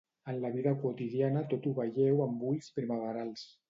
En la vida quotidiana tot ho veieu amb ulls primaverals